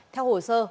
theo hồ sơ